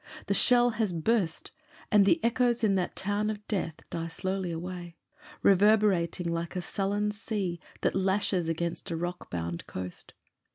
The shell has burst, and the echoes in that town of death die slowly away — reverberating like a sullen sea that lashes against a rock bound coast.